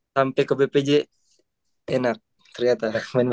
sampai ke bpj enak ternyata